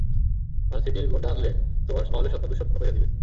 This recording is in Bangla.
ভার্সিটির গুন্ডা আনলে, তোমার মহলের স্বপ্ন, দুঃস্বপ্ন কইরা দিবে।